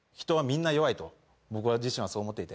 と僕自身はそう思っていて。